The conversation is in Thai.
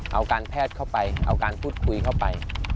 เอาการแพทย์เข้าไปเอาการพูดคุยเข้าไป